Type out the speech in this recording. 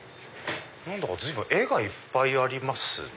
何だか絵がいっぱいありますね。